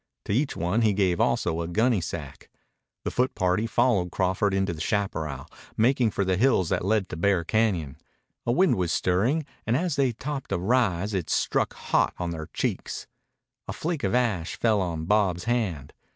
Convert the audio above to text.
To each one he gave also a gunnysack. The foot party followed Crawford into the chaparral, making for the hills that led to Bear Cañon. A wind was stirring, and as they topped a rise it struck hot on their cheeks. A flake of ash fell on Bob's hand.